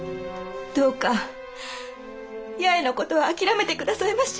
どうか八重の事は諦めて下さいまし。